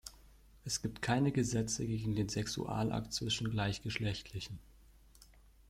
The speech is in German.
Es gibt keine Gesetze gegen den Sexualakt zwischen Gleichgeschlechtlichen.